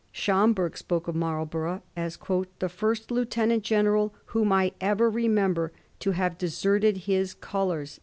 Schomberg spoke of Marlborough as * the first lieu tenant general whom I ever remember to have deserted his colours.'